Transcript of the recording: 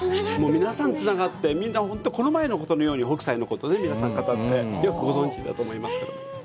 皆さん、つながって、みんな本当にこの前のことのように北斎のこと語って、ご存じだと思いますけど。